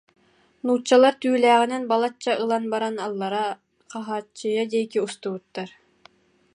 Нууччалар түүлээҕинэн балачча ылан баран аллара Хаһааччыйа диэки устубуттар